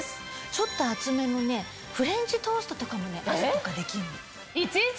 ちょっと厚めのフレンチトーストとかも朝とかできるの。